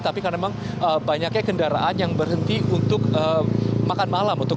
tapi karena memang banyaknya kendaraan yang berhenti untuk makan malam